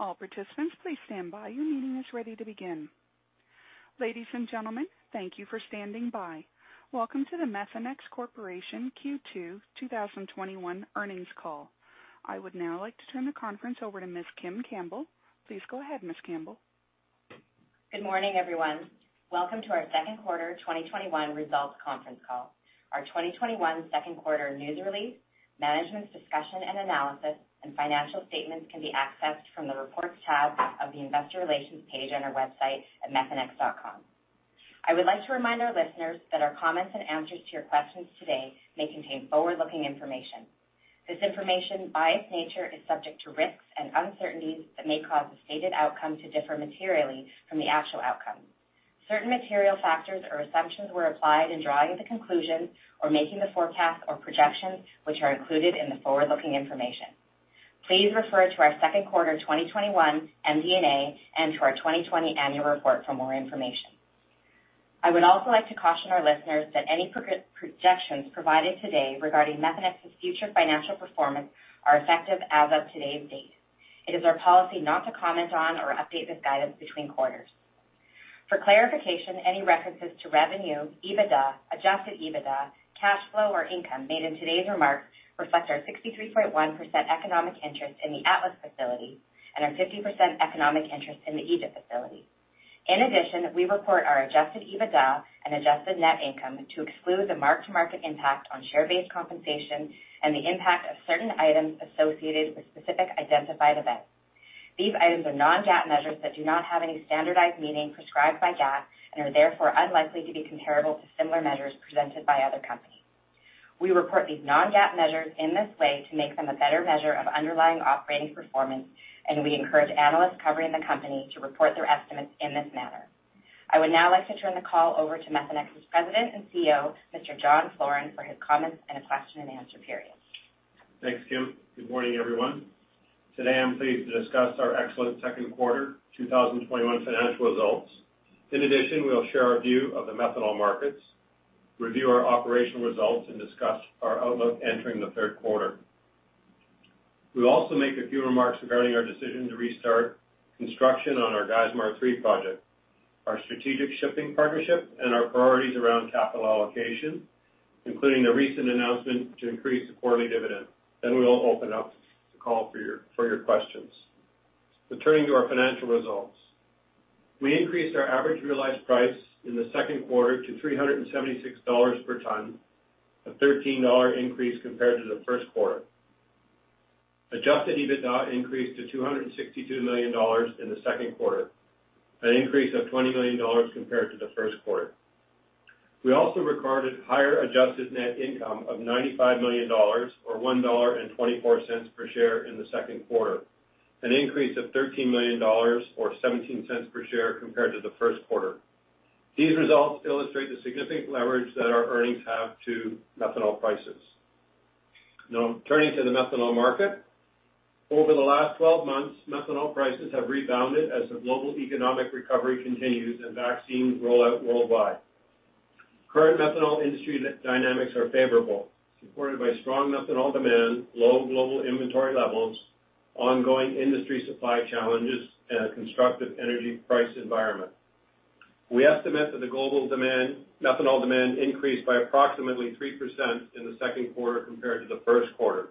Ladies and gentlemen, thank you for standing by. Welcome to the Methanex Corporation Q2 2021 earnings call. I would now like to turn the conference over to Ms. Kim Campbell. Please go ahead, Ms. Campbell. Good morning, everyone. Welcome to our second quarter 2021 results conference call. Our 2021 second quarter news release, management's discussion and analysis, and financial statements can be accessed from the Reports tab of the investor relations page on our website at methanex.com. I would like to remind our listeners that our comments and answers to your questions today may contain forward-looking information. This information, by its nature, is subject to risks and uncertainties that may cause the stated outcome to differ materially from the actual outcome. Certain material factors or assumptions were applied in drawing the conclusions or making the forecasts or projections, which are included in the forward-looking information. Please refer to our second quarter 2021 MD&A and to our 2020 annual report for more information. I would also like to caution our listeners that any projections provided today regarding Methanex's future financial performance are effective as of today's date. It is our policy not to comment on or update this guidance between quarters. For clarification, any references to revenue, EBITDA, adjusted EBITDA, cash flow, or income made in today's remarks reflect our 63.1% economic interest in the Atlas facility and our 50% economic interest in the Egypt facility. In addition, we report our adjusted EBITDA and adjusted net income to exclude the mark-to-market impact on share-based compensation and the impact of certain items associated with specific identified events. These items are non-GAAP measures that do not have any standardized meaning prescribed by GAAP and are therefore unlikely to be comparable to similar measures presented by other companies. We report these non-GAAP measures in this way to make them a better measure of underlying operating performance. We encourage analysts covering the company to report their estimates in this manner. I would now like to turn the call over to Methanex's President and CEO, Mr. John Floren, for his comments and a question-and-answer period. Thanks, Kim. Good morning, everyone. Today, I'm pleased to discuss our excellent second quarter 2021 financial results. We'll share our view of the methanol markets, review our operational results, and discuss our outlook entering the third quarter. We'll also make a few remarks regarding our decision to restart construction on our Geismar 3 project, our strategic shipping partnership, and our priorities around capital allocation, including the recent announcement to increase the quarterly dividend. We will open up the call for your questions. Turning to our financial results. We increased our average realized price in the second quarter to $376 per ton, a $13 increase compared to the first quarter. Adjusted EBITDA increased to $262 million in the second quarter, an increase of $20 million compared to the first quarter. We also recorded higher adjusted net income of $95 million, or $1.24 per share in the second quarter, an increase of $13 million, or $0.17 per share compared to the first quarter. These results illustrate the significant leverage that our earnings have to methanol prices. Now, turning to the methanol market. Over the last 12 months, methanol prices have rebounded as the global economic recovery continues and vaccines roll out worldwide. Current methanol industry dynamics are favorable, supported by strong methanol demand, low global inventory levels, ongoing industry supply challenges, and a constructive energy price environment. We estimate that the global methanol demand increased by approximately 3% in the second quarter compared to the first quarter.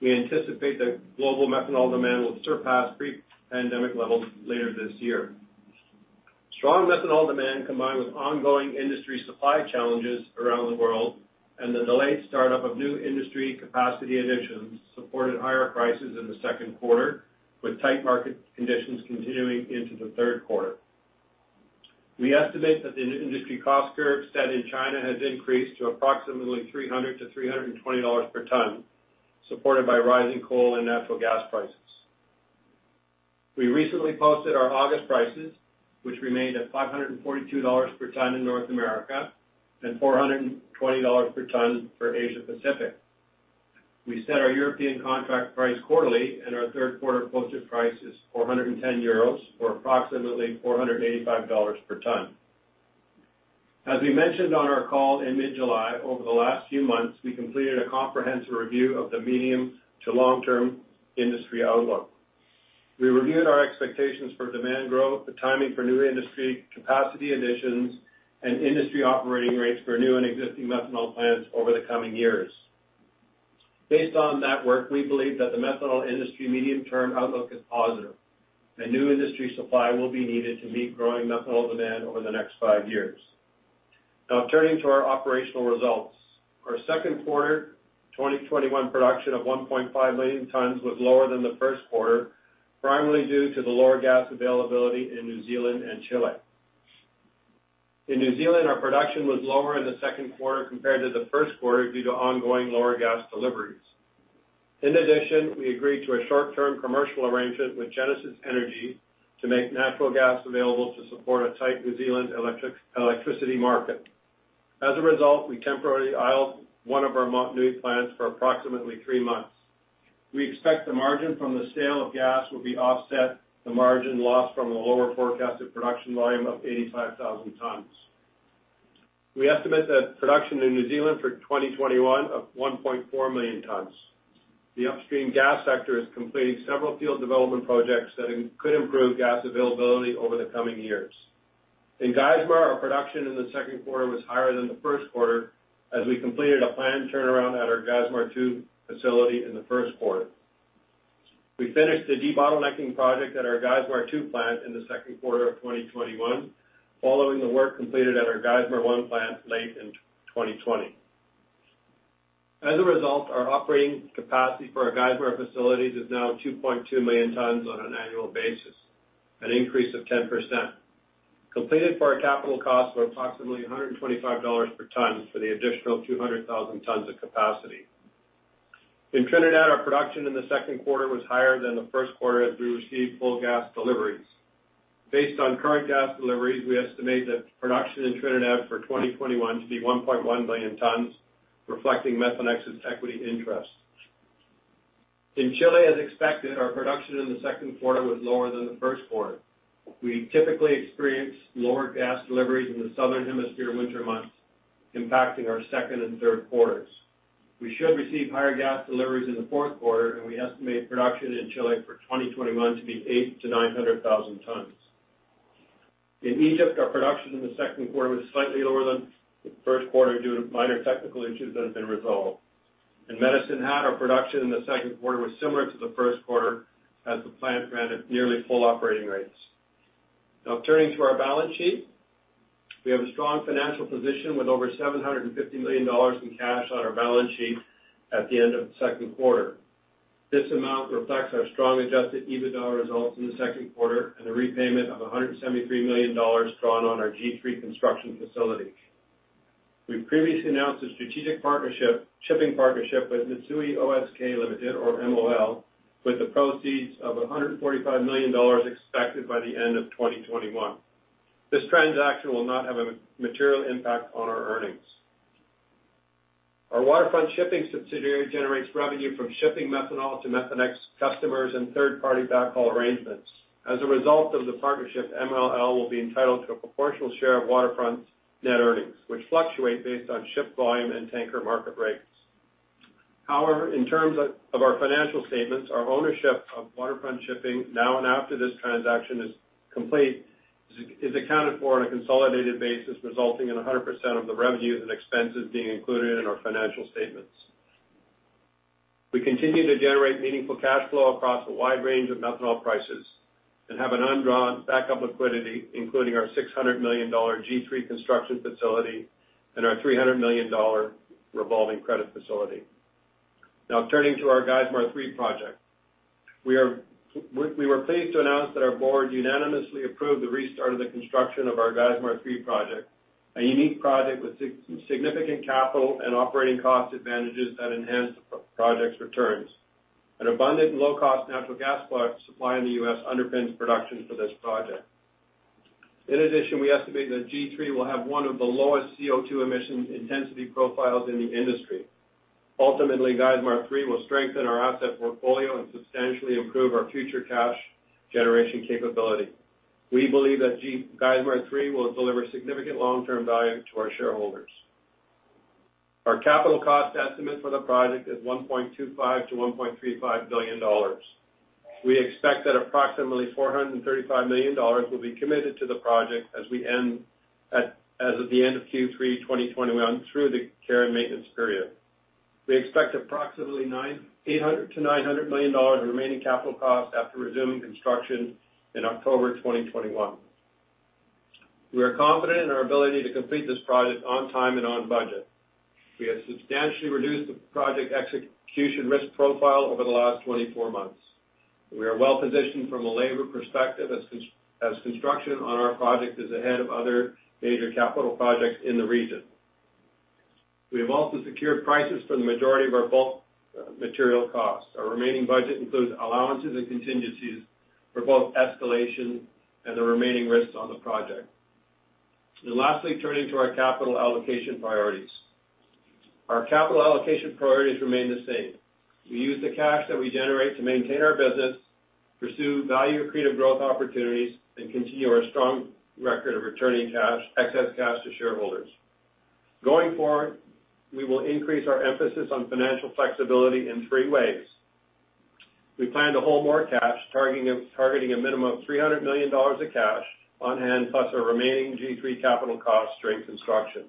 We anticipate that global methanol demand will surpass pre-pandemic levels later this year. Strong methanol demand, combined with ongoing industry supply challenges around the world and the delayed startup of new industry capacity additions, supported higher prices in the second quarter, with tight market conditions continuing into the third quarter. We estimate that the industry cost curve set in China has increased to approximately $300-$320 per ton, supported by rising coal and natural gas prices. We recently posted our August prices, which remained at $542 per ton in North America and $420 per ton for Asia-Pacific. We set our European contract price quarterly, and our third quarter posted price is €410, or approximately $485 per ton. As we mentioned on our call in mid-July, over the last few months, we completed a comprehensive review of the medium to long-term industry outlook. We reviewed our expectations for demand growth, the timing for new industry capacity additions, and industry operating rates for new and existing methanol plants over the coming years. Based on that work, we believe that the methanol industry medium-term outlook is positive, and new industry supply will be needed to meet growing methanol demand over the next five years. Now, turning to our operational results. Our second quarter 2021 production of 1.5 million tons was lower than the first quarter, primarily due to the lower gas availability in New Zealand and Chile. In New Zealand, our production was lower in the second quarter compared to the first quarter due to ongoing lower gas deliveries. In addition, we agreed to a short-term commercial arrangement with Genesis Energy to make natural gas available to support a tight New Zealand electricity market. As a result, we temporarily idled one of our Motunui plants for approximately three months. We expect the margin from the sale of gas will offset the margin lost from the lower forecasted production volume of 85,000 tons. We estimate that production in New Zealand for 2021 of 1.4 million tons. The upstream gas sector is completing several field development projects that could improve gas availability over the coming years. In Geismar, our production in the second quarter was higher than the first quarter, as we completed a planned turnaround at our Geismar 2 facility in the first quarter. We finished the debottlenecking project at our Geismar 2 plant in the second quarter of 2021, following the work completed at our Geismar 1 plant late in 2020. As a result, our operating capacity for our Geismar facilities is now 2.2 million tons on an annual basis, an increase of 10%. Completed part capital costs were approximately $125 per ton for the additional 200,000 tons of capacity. In Trinidad, our production in the second quarter was higher than the first quarter as we received full gas deliveries. Based on current gas deliveries, we estimate that production in Trinidad for 2021 to be 1.1 million tons, reflecting Methanex's equity interest. In Chile, as expected, our production in the second quarter was lower than the first quarter. We typically experience lower gas deliveries in the southern hemisphere winter months, impacting our second and third quarters. We should receive higher gas deliveries in the fourth quarter, we estimate production in Chile for 2021 to be 800,000-900,000 tons. In Egypt, our production in the second quarter was slightly lower than the first quarter due to minor technical issues that have been resolved. In Medicine Hat, our production in the second quarter was similar to the first quarter as the plant ran at nearly full operating rates. Turning to our balance sheet. We have a strong financial position with over $750 million in cash on our balance sheet at the end of the second quarter. This amount reflects our strong adjusted EBITDA results in the second quarter and the repayment of $173 million drawn on our G3 construction facility. We've previously announced a strategic shipping partnership with Mitsui O.S.K. Lines, or MOL, with the proceeds of $145 million expected by the end of 2021. This transaction will not have a material impact on our earnings. Our Waterfront Shipping subsidiary generates revenue from shipping methanol to Methanex customers and third-party backhaul arrangements. As a result of the partnership, MOL will be entitled to a proportional share of Waterfront's net earnings, which fluctuate based on ship volume and tanker market rates. However, in terms of our financial statements, our ownership of Waterfront Shipping, now and after this transaction is complete, is accounted for on a consolidated basis, resulting in 100% of the revenues and expenses being included in our financial statements. We continue to generate meaningful cash flow across a wide range of methanol prices and have an undrawn backup liquidity, including our $600 million G3 construction facility and our $300 million revolving credit facility. Now turning to our Geismar 3 project. We were pleased to announce that our board unanimously approved the restart of the construction of our Geismar 3 project, a unique project with significant capital and operating cost advantages that enhance the project's returns. An abundant low-cost natural gas supply in the U.S. underpins production for this project. In addition, we estimate that G3 will have one of the lowest CO2 emission intensity profiles in the industry. Ultimately, Geismar 3 will strengthen our asset portfolio and substantially improve our future cash generation capability. We believe that Geismar 3 will deliver significant long-term value to our shareholders. Our capital cost estimate for the project is $1.25 billion-$1.35 billion. We expect that approximately $435 million will be committed to the project as of the end of Q3 2021 through the care and maintenance period. We expect approximately $800 million-$900 million in remaining capital costs after resuming construction in October 2021. We are confident in our ability to complete this project on time and on budget. We have substantially reduced the project execution risk profile over the last 24 months. We are well positioned from a labor perspective as construction on our project is ahead of other major capital projects in the region. We have also secured prices for the majority of our bulk material costs. Our remaining budget includes allowances and contingencies for both escalation and the remaining risks on the project. Lastly, turning to our capital allocation priorities. Our capital allocation priorities remain the same. We use the cash that we generate to maintain our business, pursue value-accretive growth opportunities, and continue our strong record of returning excess cash to shareholders. Going forward, we will increase our emphasis on financial flexibility in three ways. We plan to hold more cash, targeting a minimum of $300 million of cash on hand, plus our remaining G3 capital costs during construction.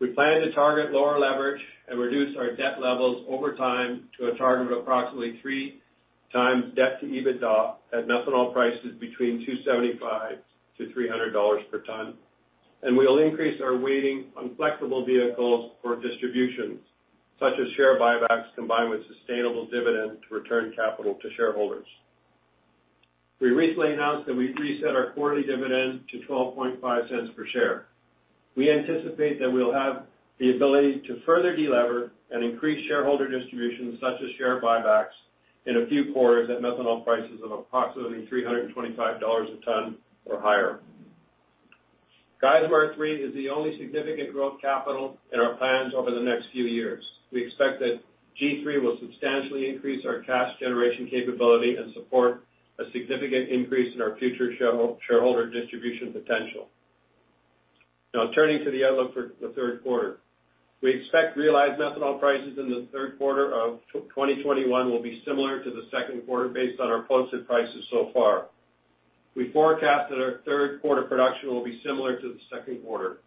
We plan to target lower leverage and reduce our debt levels over time to a target of approximately 3x debt to EBITDA at methanol prices between $275-$300 per ton. We will increase our weighting on flexible vehicles for distributions, such as share buybacks combined with sustainable dividends to return capital to shareholders. We recently announced that we've reset our quarterly dividend to $0.125 per share. We anticipate that we'll have the ability to further delever and increase shareholder distributions such as share buybacks in a few quarters at methanol prices of approximately $325 a ton or higher. Geismar 3 is the only significant growth capital in our plans over the next few years. We expect that G3 will substantially increase our cash generation capability and support a significant increase in our future shareholder distribution potential. Turning to the outlook for the third quarter. We expect realized methanol prices in the third quarter of 2021 will be similar to the second quarter based on our posted prices so far. We forecast that our third quarter production will be similar to the second quarter.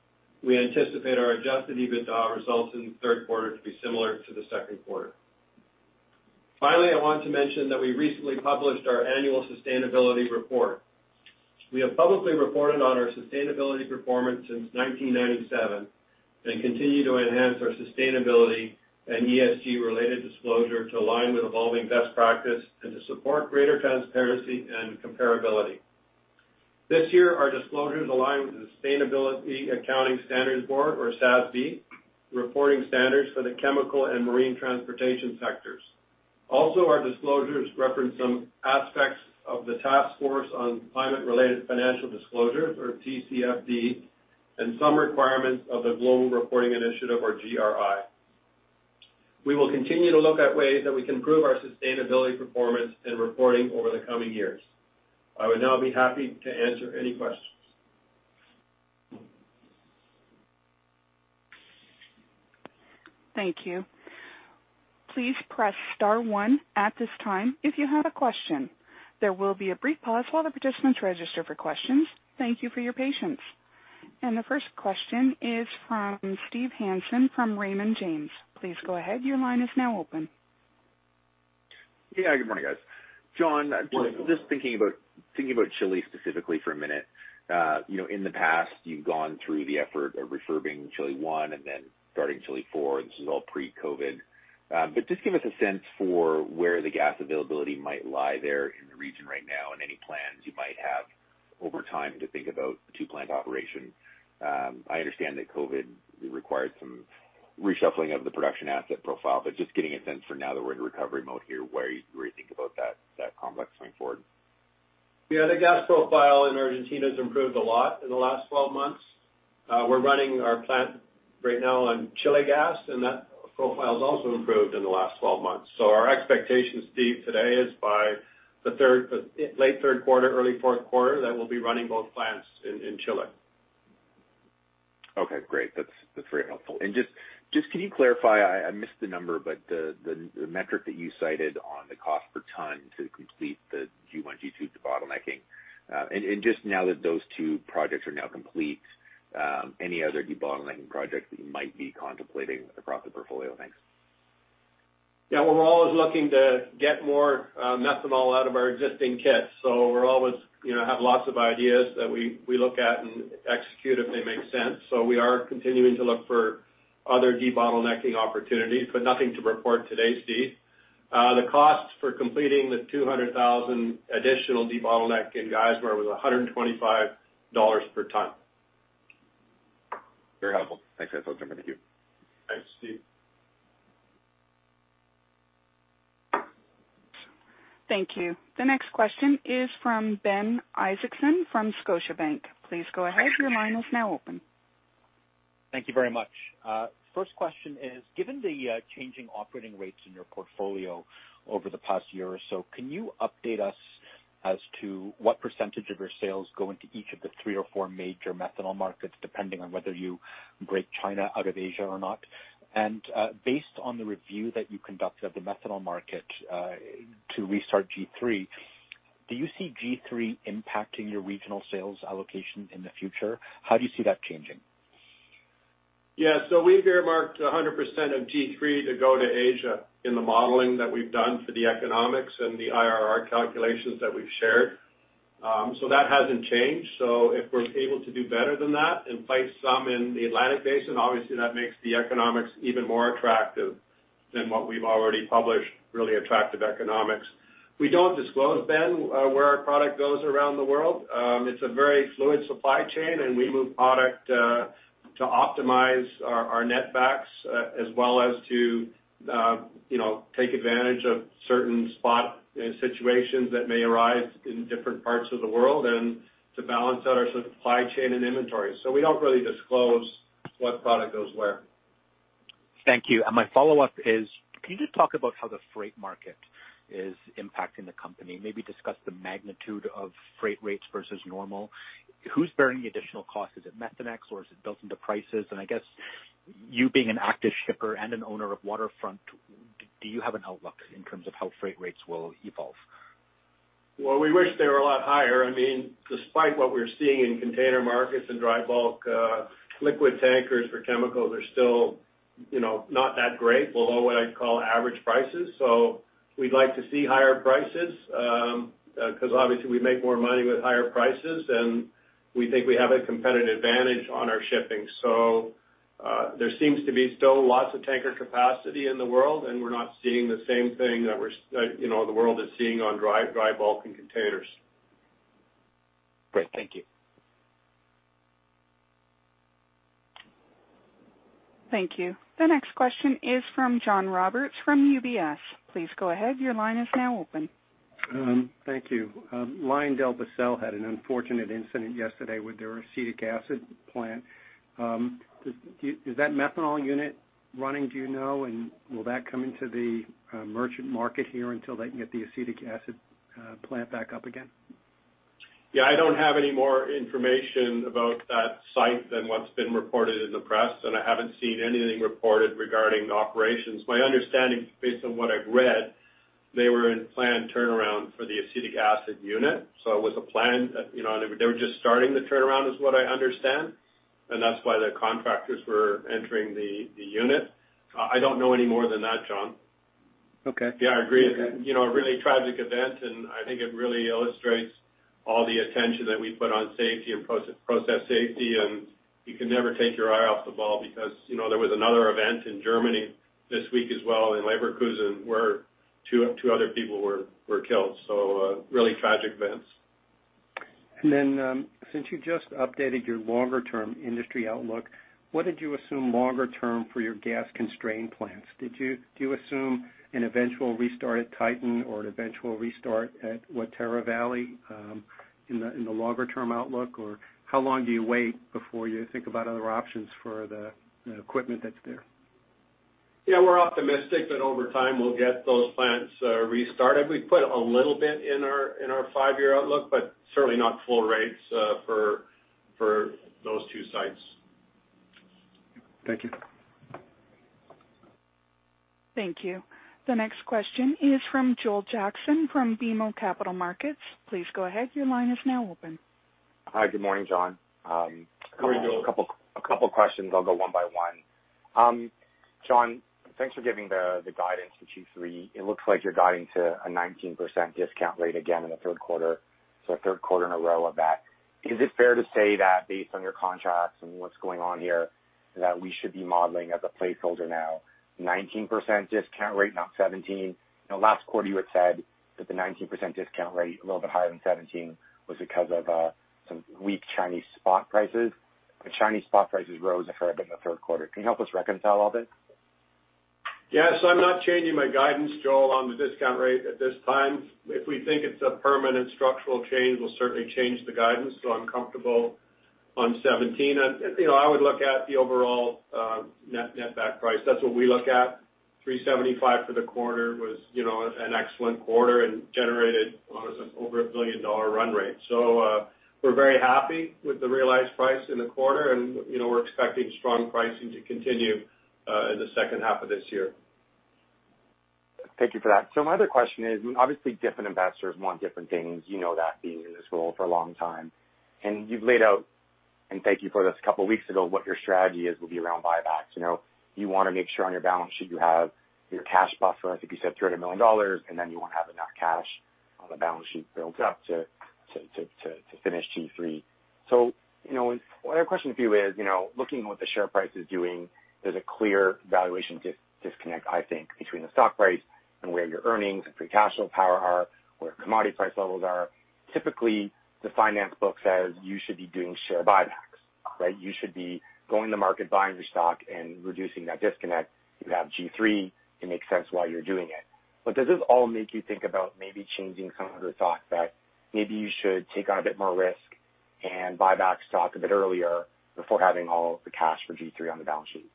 We anticipate our adjusted EBITDA results in the third quarter to be similar to the second quarter. I want to mention that we recently published our annual sustainability report. We have publicly reported on our sustainability performance since 1997 and continue to enhance our sustainability and ESG related disclosure to align with evolving best practice and to support greater transparency and comparability. This year our disclosures align with the Sustainability Accounting Standards Board, or SASB, reporting standards for the chemical and marine transportation sectors. Our disclosures reference some aspects of the Task Force on Climate-related Financial Disclosures, or TCFD, and some requirements of the Global Reporting Initiative or GRI. We will continue to look at ways that we can improve our sustainability performance in reporting over the coming years. I would now be happy to answer any questions. Thank you. Thank you for your patience. The first question is from Steve Hansen from Raymond James. Please go ahead. Your line is now open. Yeah. Good morning, guys. John, just thinking about Chile specifically for a minute. In the past, you've gone through the effort of refurbishing Chile 1 and then starting Chile 4. This is all pre-COVID. Just give us a sense for where the gas availability might lie there in the region right now and any plans you might have over time to think about two plant operation. I understand that COVID required some reshuffling of the production asset profile, but just getting a sense for now that we're in recovery mode here, where you think about that complex going forward. Yeah. The gas profile in Argentina has improved a lot in the last 12 months. We're running our plant right now on Chile gas, and that profile's also improved in the last 12 months. Our expectation, Steve, today is by late third quarter, early fourth quarter, that we'll be running both plants in Chile. Okay, great. That's very helpful. Just, can you clarify, I missed the number, but the metric that you cited on the cost per ton to complete the G1, G2 debottlenecking. Just now that those two projects are now complete, any other debottlenecking projects that you might be contemplating across the portfolio? Thanks. Yeah. Well, we're always looking to get more methanol out of our existing kits. We always have lots of ideas that we look at and execute if they make sense. We are continuing to look for other debottlenecking opportunities, but nothing to report today, Steve. The costs for completing the 200,000 additional debottleneck in Geismar was $125 per ton. Very helpful. Thanks. That's all. Thank you. Thanks, Steve. Thank you. The next question is from Ben Isaacson from Scotiabank. Please go ahead. Thank you very much. First question is, given the changing operating rates in your portfolio over the past year or so, can you update us as to what percentage of your sales go into each of the three or four major methanol markets, depending on whether you break China out of Asia or not? Based on the review that you conducted of the methanol market to restart G3, do you see G3 impacting your regional sales allocation in the future? How do you see that changing? Yeah. We've earmarked 100% of G3 to go to Asia in the modeling that we've done for the economics and the IRR calculations that we've shared. That hasn't changed. If we're able to do better than that and place some in the Atlantic Basin, obviously that makes the economics even more attractive than what we've already published, really attractive economics. We don't disclose, Ben, where our product goes around the world. It's a very fluid supply chain, and we move product to optimize our net backs as well as to take advantage of certain spot situations that may arise in different parts of the world and to balance out our supply chain and inventory. We don't really disclose what product goes where. Thank you. My follow-up is, can you just talk about how the freight market is impacting the company? Maybe discuss the magnitude of freight rates versus normal? Who's bearing the additional cost? Is it Methanex or is it built into prices? I guess you being an active shipper and an owner of Waterfront, do you have an outlook in terms of how freight rates will evolve? Well, we wish they were a lot higher. Despite what we're seeing in container markets and dry bulk, liquid tankers for chemicals are still not that great. Below what I'd call average prices. We'd like to see higher prices, because obviously we make more money with higher prices, and we think we have a competitive advantage on our shipping. There seems to be still lots of tanker capacity in the world, and we're not seeing the same thing that the world is seeing on dry bulk and containers. Great. Thank you. Thank you. The next question is from John Roberts from UBS. Please go ahead. Your line is now open. Thank you. LyondellBasell had an unfortunate incident yesterday with their acetic acid plant. Is that methanol unit running, do you know? Will that come into the merchant market here until they can get the acetic acid plant back up again? Yeah, I don't have any more information about that site than what's been reported in the press, and I haven't seen anything reported regarding operations. My understanding, based on what I've read, they were in planned turnaround for the acetic acid unit, so it was a plan. They were just starting the turnaround is what I understand, and that's why the contractors were entering the unit. I don't know any more than that, John. Okay. Yeah, I agree. A really tragic event. I think it really illustrates all the attention that we put on safety and process safety. You can never take your eye off the ball because there was another event in Germany this week as well in Leverkusen where two other people were killed. Really tragic events. Since you just updated your longer-term industry outlook, what did you assume longer term for your gas-constrained plants? Do you assume an eventual restart at Titan or an eventual restart at Waitara Valley in the longer-term outlook? Or how long do you wait before you think about other options for the equipment that's there? Yeah, we're optimistic that over time we'll get those plants restarted. We put a little bit in our five-year outlook, certainly not full rates for those two sites. Thank you. Thank you. The next question is from Joel Jackson from BMO Capital Markets. Please go ahead. Your line is now open. Hi. Good morning, John. Good morning. A couple of questions. I'll go one by one. John, thanks for giving the guidance for Q3. It looks like you're guiding to a 19% discount rate again in the third quarter, so a third quarter in a row of that. Is it fair to say that based on your contracts and what's going on here, that we should be modeling as a placeholder now 19% discount rate, not 17? Last quarter you had said that the 19% discount rate, a little bit higher than 17, was because of some weak Chinese spot prices, but Chinese spot prices rose a fair bit in the third quarter. Can you help us reconcile all this? I'm not changing my guidance, Joel, on the discount rate at this time. If we think it's a permanent structural change, we'll certainly change the guidance, I'm comfortable on 17. I would look at the overall net back price. $375 for the quarter was an excellent quarter and generated on over a billion-dollar run rate. We're very happy with the realized price in the quarter, and we're expecting strong pricing to continue in the second half of this year. Thank you for that. My other question is, obviously different investors want different things. You know that, being in this role for a long time. You've laid out, and thank you for this a couple of weeks ago, what your strategy is, will be around buybacks. You want to make sure on your balance sheet you have your cash buffer, I think you said $300 million, and then you want to have enough cash on the balance sheet built up to finish G3. My other question to you is, looking at what the share price is doing, there's a clear valuation disconnect, I think, between the stock price and where your earnings and free cash flow power are, where commodity price levels are. Typically, the finance book says you should be doing share buybacks, right? You should be going to market, buying your stock, and reducing that disconnect. You have G3, it makes sense why you're doing it. Does this all make you think about maybe changing some of your thoughts that maybe you should take on a bit more risk and buy back stock a bit earlier before having all the cash for G3 on the balance sheet?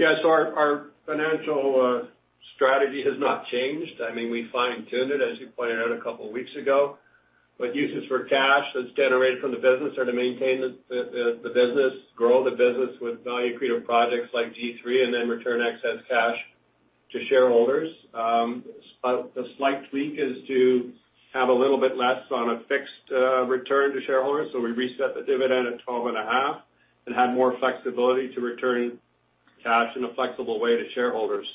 Our financial strategy has not changed. We fine-tuned it, as you pointed out a couple of weeks ago, but uses for cash that's generated from the business are to maintain the business, grow the business with value-creative projects like G3, and then return excess cash to shareholders. The slight tweak is to have a little bit less on a fixed return to shareholders. We reset the dividend at 12 and a half and had more flexibility to return cash in a flexible way to shareholders.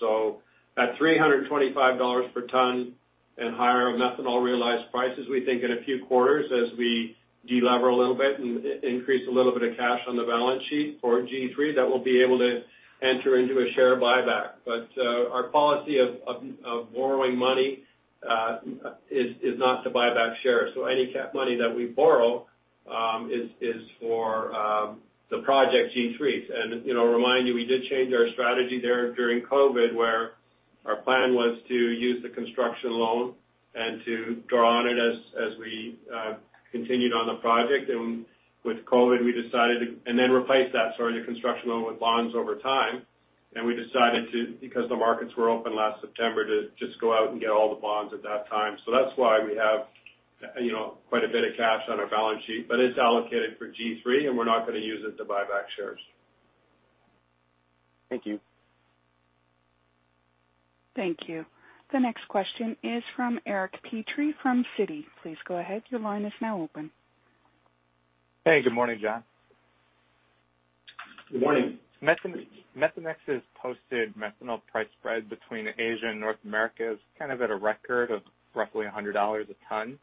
At $325 per ton and higher methanol realized prices, we think in a few quarters, as we de-lever a little bit and increase a little bit of cash on the balance sheet for G3, that we'll be able to enter into a share buyback. Our policy of borrowing money is not to buy back shares. Any cap money that we borrow is for the project G3. Remind you, we did change our strategy there during COVID, where our plan was to use the construction loan and to draw on it as we continued on the project. With COVID, we decided to replace that, sorry, the construction loan with bonds over time, and we decided to, because the markets were open last September, to just go out and get all the bonds at that time. That's why we have quite a bit of cash on our balance sheet, but it's allocated for G3, and we're not going to use it to buy back shares. Thank you. Thank you. The next question is from Eric Petrie from Citi. Please go ahead. Hey. Good morning, John. Good morning. Methanex has posted methanol price spread between Asia and North America is kind of at a record of roughly $100 a ton.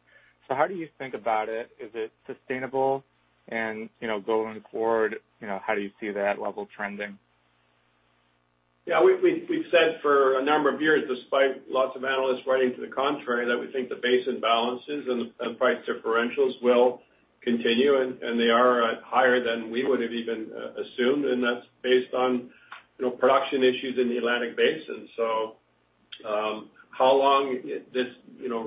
How do you think about it? Is it sustainable? Going forward, how do you see that level trending? Yeah. We've said for a number of years, despite lots of analysts writing to the contrary, that we think the basin balances and price differentials will continue, and they are at higher than we would have even assumed, and that's based on production issues in the Atlantic Basin. How long this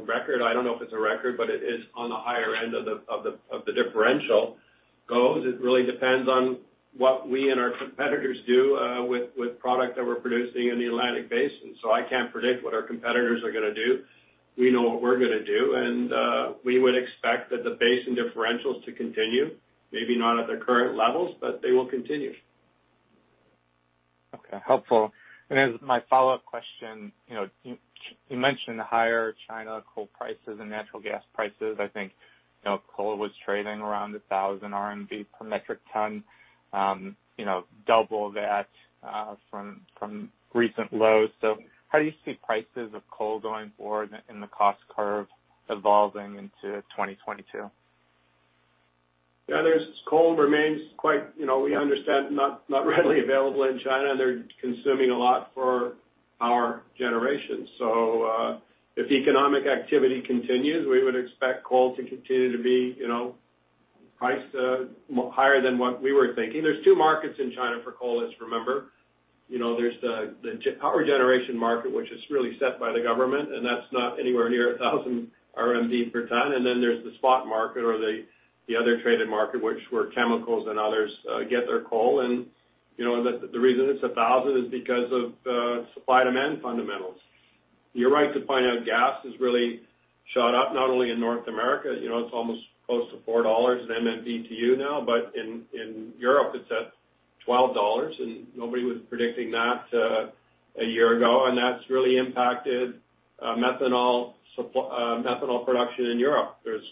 record, I don't know if it's a record, but it is on the higher. The differential goes, it really depends on what we and our competitors do with product that we're producing in the Atlantic Basin. I can't predict what our competitors are going to do. We know what we're going to do, and we would expect that the basin differentials to continue, maybe not at their current levels, but they will continue. Okay. Helpful. As my follow-up question, you mentioned higher China coal prices and natural gas prices. I think coal was trading around 1,000 RMB per metric ton, double that from recent lows. How do you see prices of coal going forward and the cost curve evolving into 2022? Yeah. Coal remains quite, we understand, not readily available in China. They're consuming a lot for power generation. If economic activity continues, we would expect coal to continue to be priced higher than what we were thinking. There's two markets in China for coalists, remember. There's the power generation market, which is really set by the government, and that's not anywhere near 1,000 RMB per ton. Then there's the spot market or the other traded market, which where chemicals and others get their coal. The reason it's 1,000 is because of supply-demand fundamentals. You're right to point out gas has really shot up, not only in North America. It's almost close to $4 in MMBtu now, but in Europe, it's at $12. Nobody was predicting that a year ago. That's really impacted methanol production in Europe. There's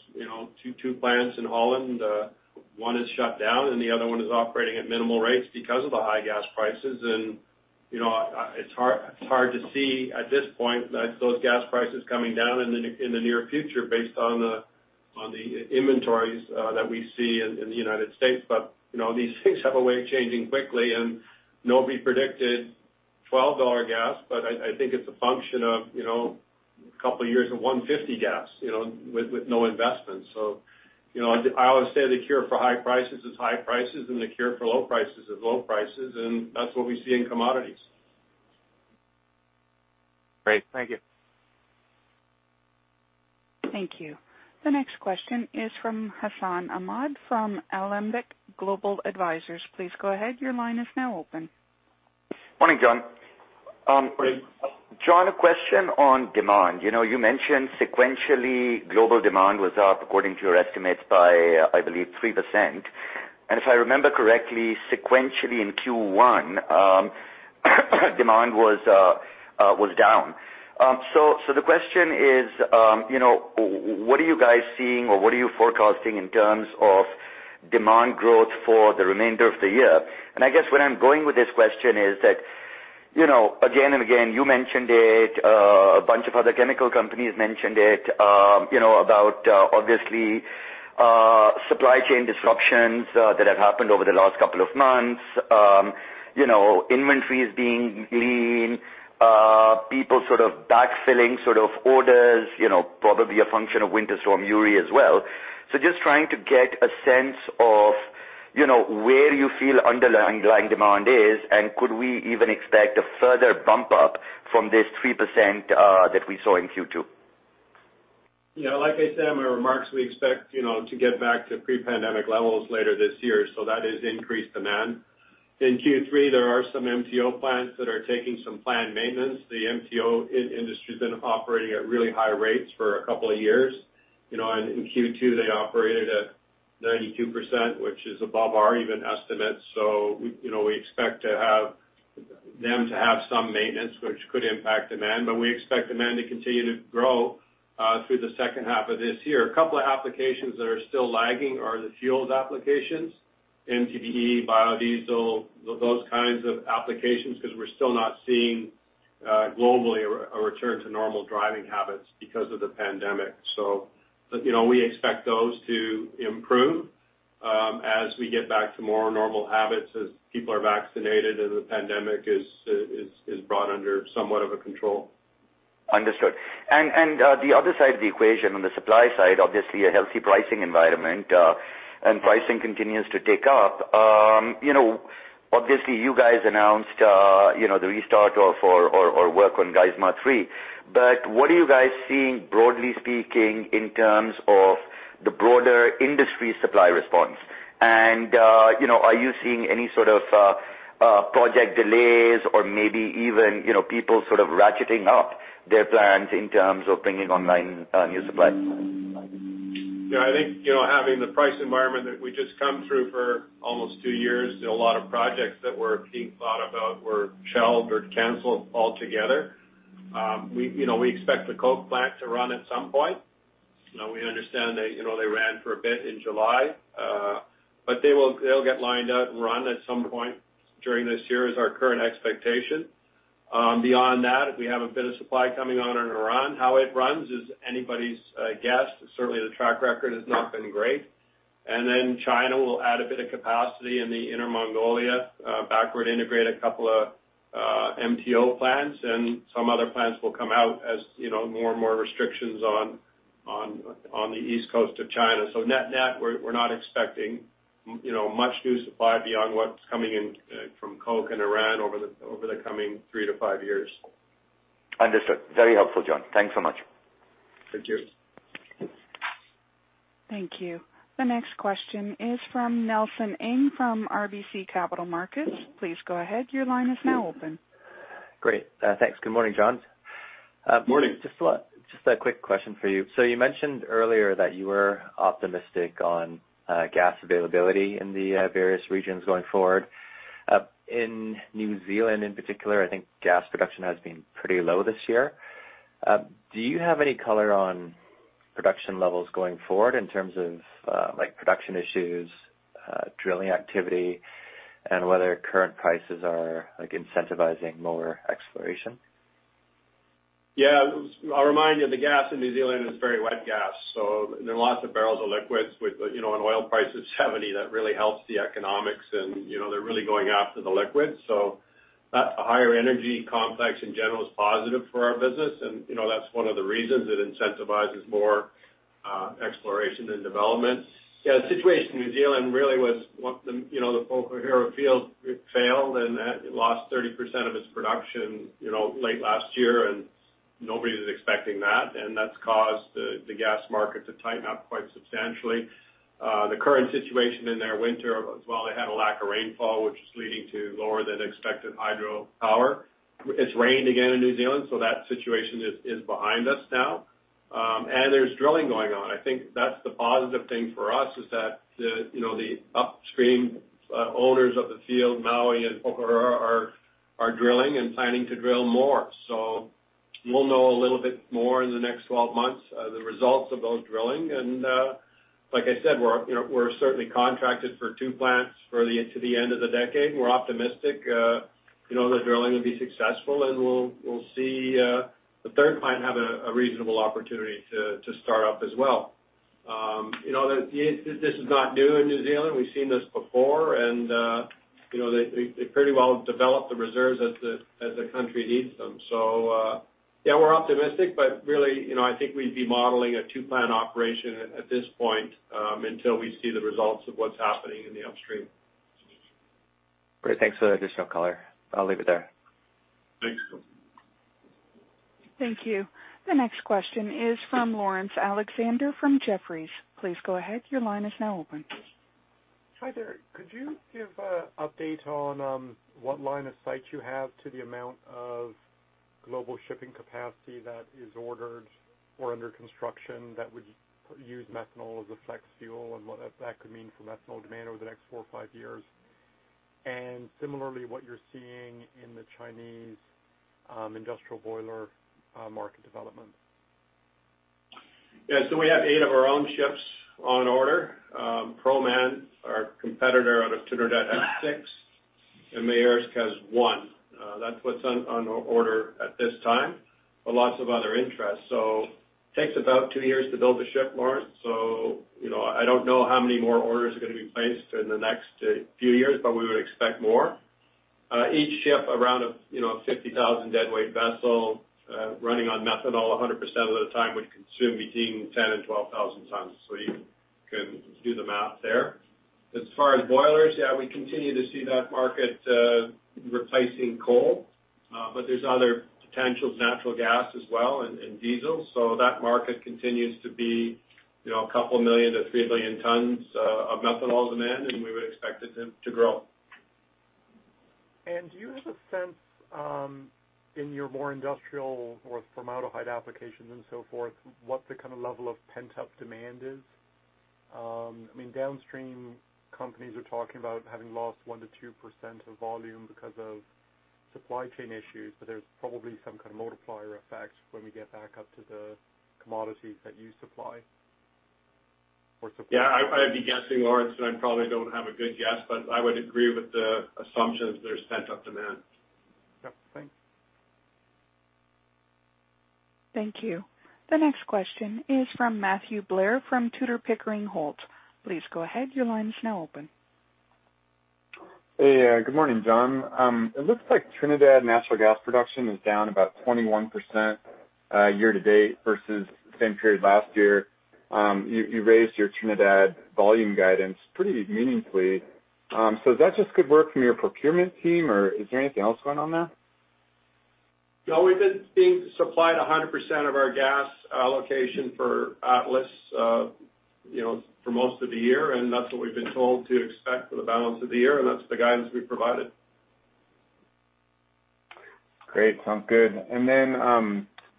two plants in Holland. One is shut down, and the other one is operating at minimal rates because of the high gas prices. It's hard to see at this point those gas prices coming down in the near future based on the inventories that we see in the U.S. These things have a way of changing quickly. Nobody predicted $12 gas. I think it's a function of a couple of years of $1.50 gas with no investment. I always say the cure for high prices is high prices, and the cure for low prices is low prices, and that's what we see in commodities. Great. Thank you. Thank you. The next question is from Hassan Ahmed from Alembic Global Advisors. Please go ahead. Morning, John. Good morning. John, a question on demand. You mentioned sequentially global demand was up according to your estimates by, I believe, 3%. If I remember correctly, sequentially in Q1, demand was down. The question is what are you guys seeing or what are you forecasting in terms of demand growth for the remainder of the year? I guess where I'm going with this question is that, again and again, you mentioned it, a bunch of other chemical companies mentioned it, about obviously supply chain disruptions that have happened over the last couple of months. Inventories being lean, people sort of backfilling sort of orders, probably a function of Winter Storm Uri as well. Just trying to get a sense of where you feel underlying demand is, and could we even expect a further bump up from this 3% that we saw in Q2? Like I said in my remarks, we expect to get back to pre-pandemic levels later this year, so that is increased demand. In Q3, there are some MTO plants that are taking some planned maintenance. The MTO industry has been operating at really high rates for a couple of years. In Q2, they operated at 92%, which is above our even estimates. We expect them to have some maintenance, which could impact demand, but we expect demand to continue to grow through the second half of this year. A couple of applications that are still lagging are the fuels applications, MTBE, biodiesel, those kinds of applications, because we're still not seeing globally a return to normal driving habits because of the pandemic. We expect those to improve as we get back to more normal habits as people are vaccinated and the pandemic is brought under somewhat of a control. Understood. The other side of the equation, on the supply side, obviously a healthy pricing environment, and pricing continues to tick up. Obviously, you guys announced the restart of, or work on Geismar 3. What are you guys seeing, broadly speaking, in terms of the broader industry supply response? Are you seeing any sort of project delays or maybe even people sort of ratcheting up their plans in terms of bringing online new supply? Yeah. I think having the price environment that we just come through for almost two years, a lot of projects that were being thought about were shelved or canceled altogether. We expect the Koch plant to run at some point. We understand they ran for a bit in July. They'll get lined up and run at some point during this year is our current expectation. Beyond that, we have a bit of supply coming on in Iran. How it runs is anybody's guess. Certainly, the track record has not been great. China will add a bit of capacity in the Inner Mongolia, backward integrate a couple MTO plants, and some other plants will come out as more and more restrictions on the east coast of China. Net-net, we're not expecting much new supply beyond what's coming in from Koch and Iran over the coming three to five years. Understood. Very helpful, John. Thanks so much. Thank you. Thank you. The next question is from Nelson Ng from RBC Capital Markets. Please go ahead. Your line is now open. Great. Thanks. Good morning, John. Morning. Just a quick question for you. You mentioned earlier that you were optimistic on gas availability in the various regions going forward. In New Zealand in particular, I think gas production has been pretty low this year. Do you have any color on production levels going forward in terms of production issues, drilling activity, and whether current prices are incentivizing more exploration? I'll remind you, the gas in New Zealand is very wet gas, so there are lots of barrels of liquids with, an oil price of $70, that really helps the economics and they're really going after the liquids. That's a higher energy complex in general is positive for our business and that's one of the reasons it incentivizes more exploration and development. The situation in New Zealand really was the Pohokura field failed and lost 30% of its production late last year and nobody was expecting that, and that's caused the gas market to tighten up quite substantially. The current situation in their winter, as well, they had a lack of rainfall, which is leading to lower than expected hydro power. It's rained again in New Zealand, so that situation is behind us now. There's drilling going on. I think that's the positive thing for us is that the upstream owners of the field, Maui and Pohokura, are drilling and planning to drill more. We'll know a little bit more in the next 12 months, the results of those drilling. Like I said, we're certainly contracted for two plants to the end of the decade, and we're optimistic that drilling will be successful, and we'll see the third plant have a reasonable opportunity to start up as well. This is not new in New Zealand. We've seen this before. They pretty well develop the reserves as the country needs them. Yeah, we're optimistic, but really, I think we'd be modeling a two-plant operation at this point, until we see the results of what's happening in the upstream. Great. Thanks for the additional color. I'll leave it there. Thanks. Thank you. The next question is from Laurence Alexander from Jefferies. Please go ahead. Your line is now open. Hi there. Could you give an update on what line of sight you have to the amount of global shipping capacity that is ordered or under construction that would use methanol as a flex fuel and what that could mean for methanol demand over the next four or five years? Similarly, what you're seeing in the Chinese industrial boiler market development. Yeah. We have eight of our own ships on order. Proman, our competitor out of Trinidad, has six, and Maersk has one. That's what's on order at this time, but lots of other interest. Takes about two years to build a ship, Laurence. I don't know how many more orders are going to be placed in the next few years, but we would expect more. Each ship around a 50,000 deadweight vessel, running on methanol 100% of the time, would consume between 10 and 12,000 tons a year. You can do the math there. As far as boilers, yeah, we continue to see that market replacing coal. There's other potentials, natural gas as well, and diesel. That market continues to be a couple million to 3 million tons of methanol demand, and we would expect it to grow. Do you have a sense, in your more industrial or formaldehyde applications and so forth, what the kind of level of pent-up demand is? Downstream companies are talking about having lost 1%-2% of volume because of supply chain issues, there's probably some kind of multiplier effect when we get back up to the commodities that you supply. Yeah, I'd be guessing, Laurence, and I probably don't have a good guess, but I would agree with the assumption that there's pent-up demand. Yep. Thanks. Thank you. The next question is from Matthew Blair from Tudor, Pickering, Holt. Please go ahead. Your line is now open. Hey, good morning, John. It looks like Trinidad natural gas production is down about 21% year to date versus same period last year. You raised your Trinidad volume guidance pretty meaningfully. Is that just good work from your procurement team, or is there anything else going on there? No, we've been being supplied 100% of our gas allocation for Atlas for most of the year, and that's what we've been told to expect for the balance of the year, and that's the guidance we provided. Great. Sounds good.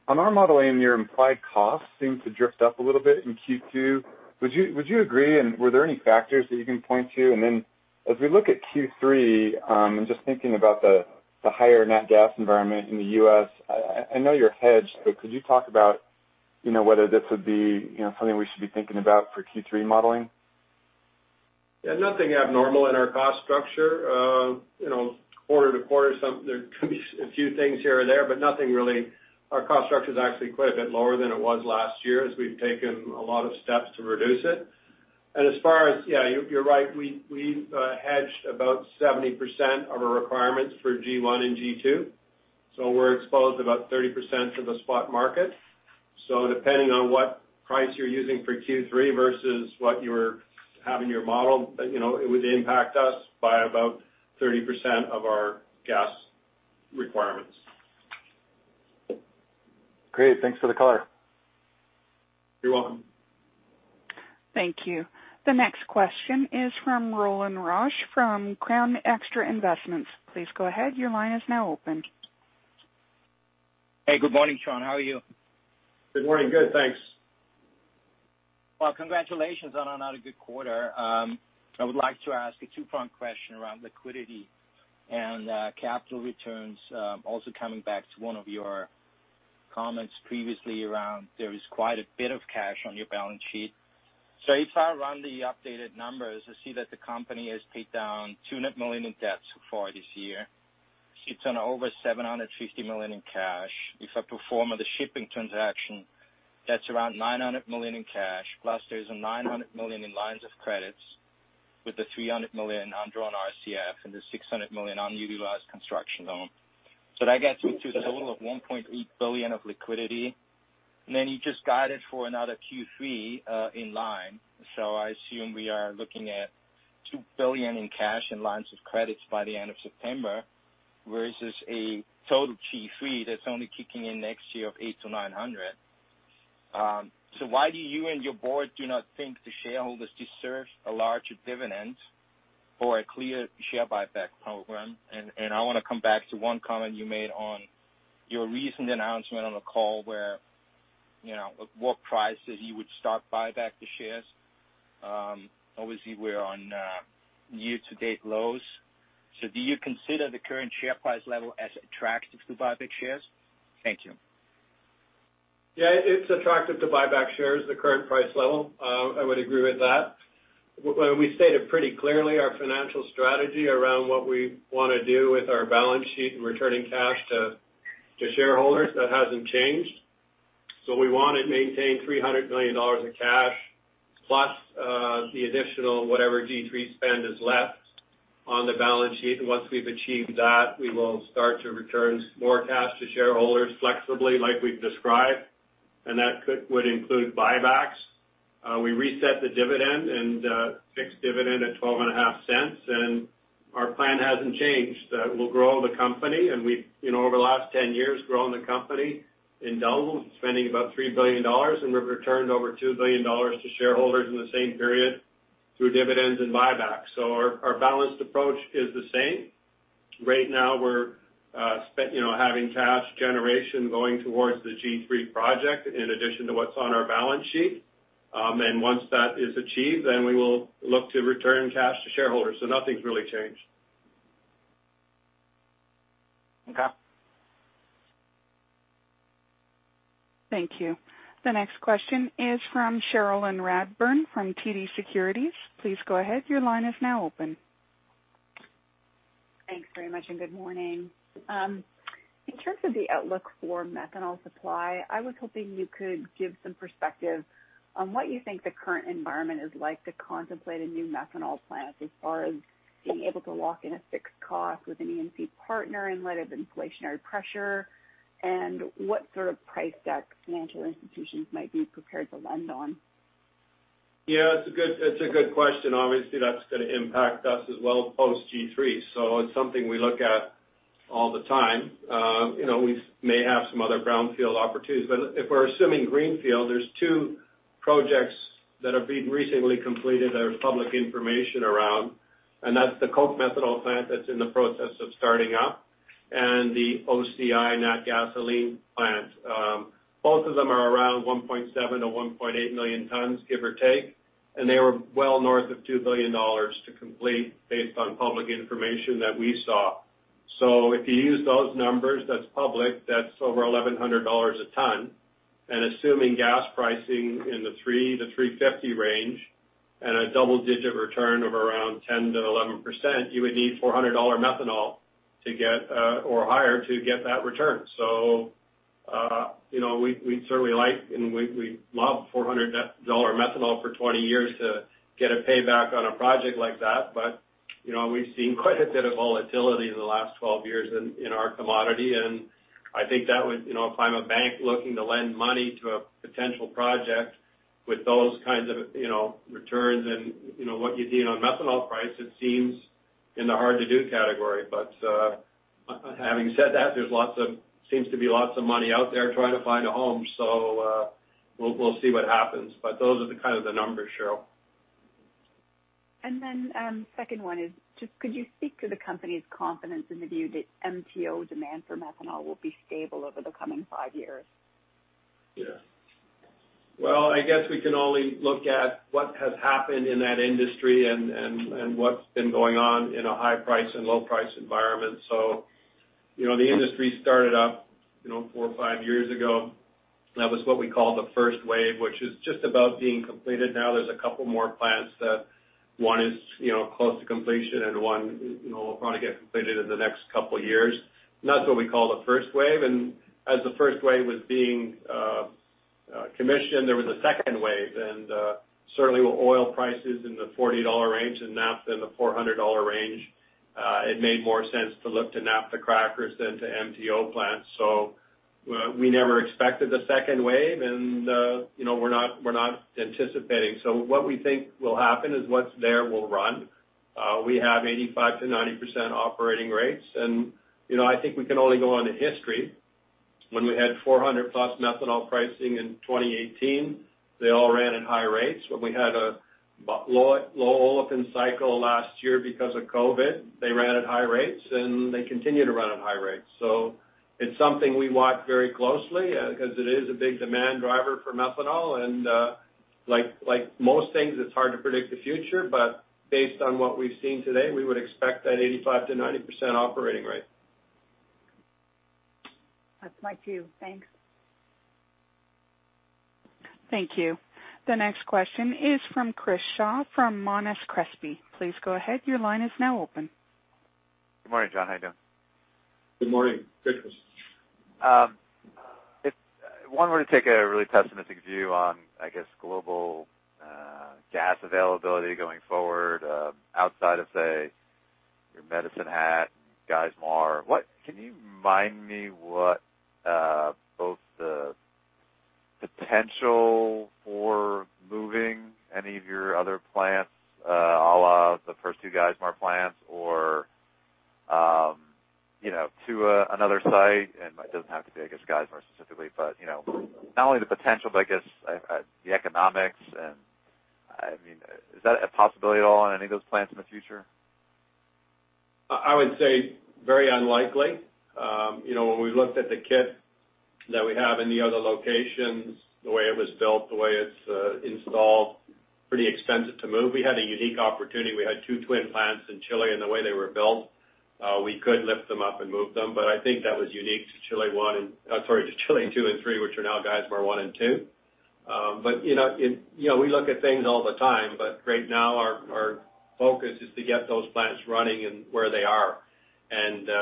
On our modeling, your implied costs seem to drift up a little bit in Q2. Would you agree? Were there any factors that you can point to? As we look at Q3, and just thinking about the higher net gas environment in the U.S., I know you're hedged, but could you talk about whether this would be something we should be thinking about for Q3 modeling? Yeah, nothing abnormal in our cost structure. Quarter to quarter, there could be a few things here or there, but nothing really. Our cost structure's actually quite a bit lower than it was last year as we've taken a lot of steps to reduce it. As far as Yeah, you're right. We've hedged about 70% of our requirements for G1 and G2, so we're exposed about 30% to the spot market. Depending on what price you're using for Q3 versus what you have in your model, it would impact us by about 30% of our gas requirements. Great. Thanks for the color. You're welcome. Thank you. The next question is from Roland Rausch from Crown Extra Investments. Please go ahead. Your line is now open. Hey, good morning, John. How are you? Good morning. Good, thanks. Well, congratulations on another good quarter. I would like to ask a two-part question around liquidity and capital returns. Coming back to one of your comments previously around, there is quite a bit of cash on your balance sheet. If I run the updated numbers, I see that the company has paid down $200 million in debt so far this year. Sits on over $750 million in cash. If I perform the shipping transaction, that's around $900 million in cash. Plus, there's a $900 million in lines of credits with the $300 million undrawn RCF and the $600 million unutilized construction loan. That gets me to a total of $1.8 billion of liquidity, and then you just guided for another Q3 in line. I assume we are looking at $2 billion in cash and lines of credits by the end of September, versus a total G3 that's only kicking in next year of $800-$900. Why do you and your board do not think the shareholders deserve a larger dividend or a clear share buyback program? I want to come back to one comment you made on your recent announcement on a call where, at what price that you would start buyback the shares. Obviously, we're on year-to-date lows. Do you consider the current share price level as attractive to buy back shares? Thank you. Yeah, it's attractive to buy back shares at the current price level. I would agree with that. We stated pretty clearly our financial strategy around what we want to do with our balance sheet and returning cash to shareholders. That hasn't changed. We want to maintain $300 million in cash plus the additional whatever G3 spend is left on the balance sheet. Once we've achieved that, we will start to return more cash to shareholders flexibly like we've described. That would include buybacks. We reset the dividend and fixed dividend at $0.125, and our plan hasn't changed. We'll grow the company, and we've over the last 10 years, grown the company in doubles, spending about $3 billion, and we've returned over $2 billion to shareholders in the same period through dividends and buybacks. Our balanced approach is the same. Right now, we're having cash generation going towards the G3 project in addition to what's on our balance sheet. Once that is achieved, then we will look to return cash to shareholders. Nothing's really changed. Okay. Thank you. The next question is from Cherilyn Radbourne from TD Securities. Please go ahead. Thanks very much, and good morning. In terms of the outlook for methanol supply, I was hoping you could give some perspective on what you think the current environment is like to contemplate a new methanol plant as far as being able to lock in a fixed cost with an E&P partner in light of inflationary pressure, and what sort of price deck financial institutions might be prepared to lend on. It's a good question. Obviously, that's going to impact us as well post G3, so it's something we look at all the time. We may have some other brownfield opportunities, but if we're assuming greenfield, there's two projects that have been recently completed that are public information around, and that's the Koch methanol plant that's in the process of starting up and the OCI Natgasoline plant. Both of them are around 1.7 or 1.8 million tons, give or take, and they were well north of $2 billion to complete based on public information that we saw. If you use those numbers that's public, that's over $1,100 a ton, and assuming gas pricing in the $3-$3.50 range and a double-digit return of around 10%-11%, you would need $400 methanol or higher to get that return. We'd certainly like, and we love $400 methanol for 20 years to get a payback on a project like that. We've seen quite a bit of volatility in the last 12 years in our commodity, and I think. If I'm a bank looking to lend money to a potential project with those kinds of returns and what you see on methanol price, it seems in the hard-to-do category. Having said that, there seems to be lots of money out there trying to find a home, so we'll see what happens. Those are the kind of the numbers, Cheryl. Second one is just could you speak to the company's confidence in the view that MTO demand for methanol will be stable over the coming five years? Yeah. Well, I guess we can only look at what has happened in that industry and what's been going on in a high price and low price environment. The industry started up four or five years ago. That was what we call the first wave, which is just about being completed now. There's a couple more plants that one is close to completion and one will probably get completed in the next couple of years. That's what we call the first wave. As the first wave was being commissioned, there was a second wave, and certainly with oil prices in the $40 range and naphtha in the $400 range. It made more sense to look to naphtha crackers than to MTO plants. We never expected a second wave, and we're not anticipating. What we think will happen is what's there will run. We have 85%-90% operating rates. I think we can only go on the history when we had 400+ methanol pricing in 2018, they all ran at high rates. When we had a low olefin cycle last year because of COVID, they ran at high rates, and they continue to run at high rates. It's something we watch very closely because it is a big demand driver for methanol. Like most things, it's hard to predict the future, but based on what we've seen today, we would expect that 85%-90% operating rate. That's my cue. Thanks. Thank you. The next question is from Chris Shaw from Monness Crespi. Please go ahead. Good morning, John. How you doing? Good morning, Chris. If one were to take a really pessimistic view on, I guess, global gas availability going forward, outside of, say, your Medicine Hat, Geismar, can you remind me what both the potential for moving any of your other plants, a la the first two Geismar plants or to another site, and it doesn't have to be, I guess, Geismar specifically, but not only the potential, but I guess the economics and I mean, is that a possibility at all on any of those plants in the future? I would say very unlikely. When we looked at the kit that we have in the other locations, the way it was built, the way it's installed, pretty expensive to move. We had a unique opportunity. We had two twin plants in Chile, and the way they were built, we could lift them up and move them. I think that was unique to Chile 2 and 3, which are now Geismar 1 and 2. We look at things all the time, but right now our focus is to get those plants running and where they are.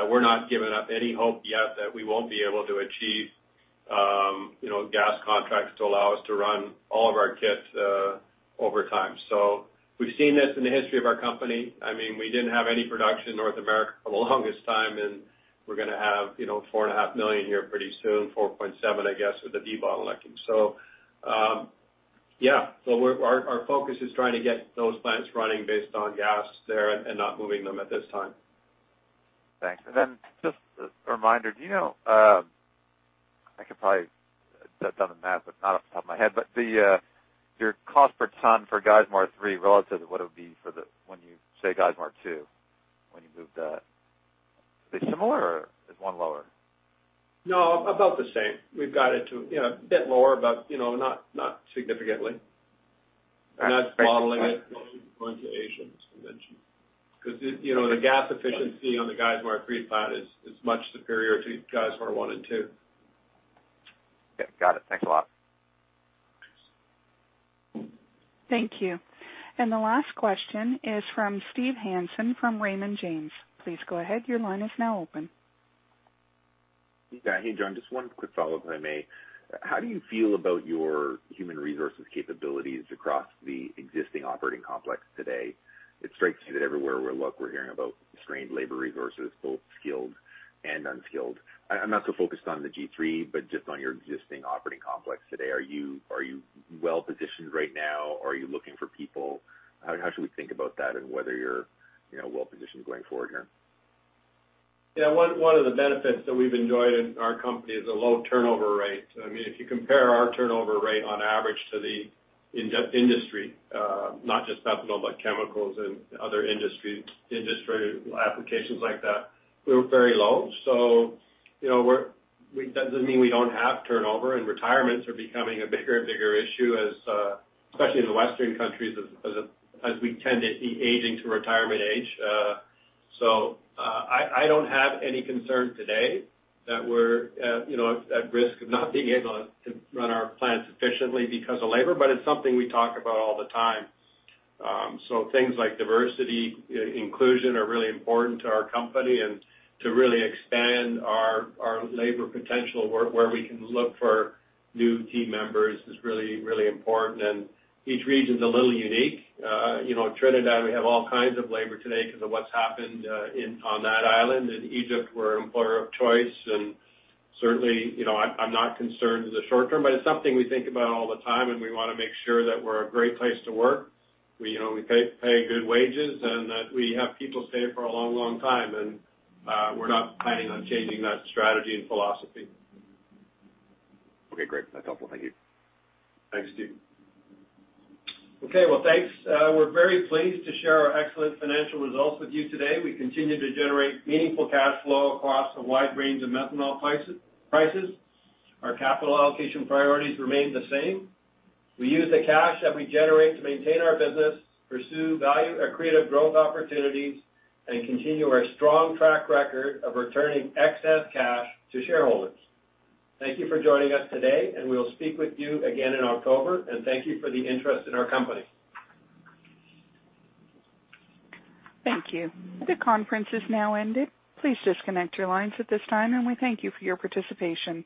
We're not giving up any hope yet that we won't be able to achieve gas contracts to allow us to run all of our kits over time. We've seen this in the history of our company. We didn't have any production in North America for the longest time, we're going to have 4.5 million here pretty soon, 4.7 million, I guess, with the debottlenecking. Yeah. Our focus is trying to get those plants running based on gas there and not moving them at this time. Thanks. Just a reminder, you know, I could probably have done the math, but not off the top of my head, but your cost per ton for Geismar 3 relative to what it would be for when you say Geismar 2 when you moved that. Is it similar or is one lower? No, about the same. We've got it to a bit lower, but not significantly. All right. Thanks. Not bottling it going to Asia, as you mentioned. The gas efficiency on the Geismar 3 plant is much superior to Geismar 1 and 2. Okay, got it. Thanks a lot. Thank you. The last question is from Steve Hansen from Raymond James. Please go ahead. Yeah. Hey, John, just one quick follow-up, if I may. How do you feel about your human resources capabilities across the existing operating complex today? It strikes me that everywhere we look, we're hearing about strained labor resources, both skilled and unskilled. I'm not so focused on the G3, but just on your existing operating complex today. Are you well-positioned right now? Are you looking for people? How should we think about that and whether you're well-positioned going forward here? Yeah. One of the benefits that we've enjoyed in our company is a low turnover rate. If you compare our turnover rate on average to the industry, not just methanol, but chemicals and other industry applications like that, we're very low. That doesn't mean we don't have turnover, and retirements are becoming a bigger and bigger issue, especially in the Western countries, as we tend to be aging to retirement age. I don't have any concern today that we're at risk of not being able to run our plants efficiently because of labor, but it's something we talk about all the time. Things like diversity, inclusion are really important to our company, and to really expand our labor potential where we can look for new team members is really, really important. Each region's a little unique. Trinidad, we have all kinds of labor today because of what's happened on that island. In Egypt, we're employer of choice, and certainly, I'm not concerned in the short term, but it's something we think about all the time, and we want to make sure that we're a great place to work. We pay good wages and that we have people stay for a long, long time, and we're not planning on changing that strategy and philosophy. Okay, great. That's helpful. Thank you. Thanks, Steve. Okay, well, thanks. We are very pleased to share our excellent financial results with you today. We continue to generate meaningful cash flow across a wide range of methanol prices. Our capital allocation priorities remain the same. We use the cash that we generate to maintain our business, pursue creative growth opportunities, and continue our strong track record of returning excess cash to shareholders. Thank you for joining us today. We will speak with you again in October. Thank you for the interest in our company. Thank you. The conference has now ended. Please disconnect your lines at this time, and we thank you for your participation.